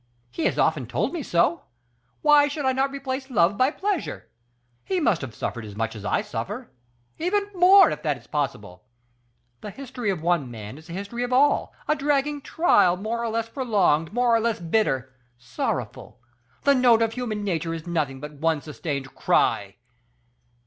He has often told me so. Why should I not replace love by pleasure? He must have suffered as much as I suffer, even more if that is possible. The history of one man is the history of all, a dragging trial, more or less prolonged, more or less bitter sorrowful. The note of human nature is nothing but one sustained cry.